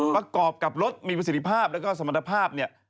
ประกอบกับรถมีประสิทธิภาพแล้วก็สมรรถภาพเนี่ย